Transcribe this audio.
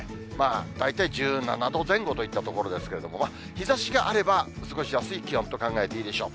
大体１７度前後といったところですけれども、日ざしがあれば過ごしやすい気温と考えていいでしょう。